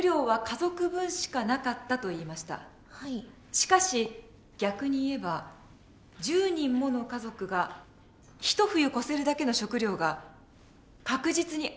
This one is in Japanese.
しかし逆に言えば１０人もの家族が一冬越せるだけの食料が確実にあった訳だ。